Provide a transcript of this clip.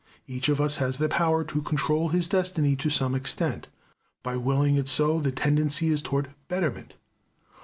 Each of us has the power to control his destiny to some extent. By willing it so the tendency is toward betterment.